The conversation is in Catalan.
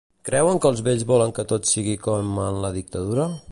Creuen que els vells volen que tot sigui com en la Dictadura?